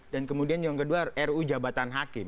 dan kemudian yang kedua ru jabatan hakim